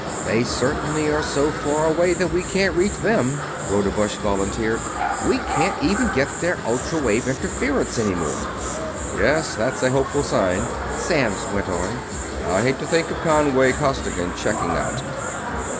"They certainly are so far away that we can't reach them," Rodebush volunteered. "We can't even get their ultra wave interference any more." "Yes, that's a hopeful sign," Samms went on. "I hate to think of Conway Costigan checking out.